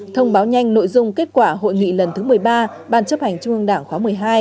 thông báo nhanh nội dung kết quả hội nghị lần thứ một mươi ba ban chấp hành trung ương đảng khóa một mươi hai